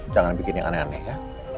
jangan bikin yang aneh aneh ya